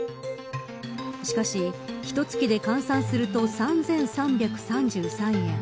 しかし、ひと月で換算すると３３３３円。